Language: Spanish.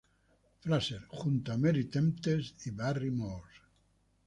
Fraser" junto a Marie Tempest y Barry Morse.